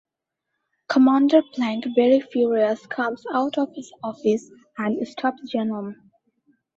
Commander Plank, very furious, comes out of his office and stops Zenon.